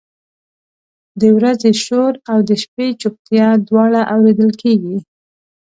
د ورځې شور او د شپې چپتیا دواړه اورېدل کېږي.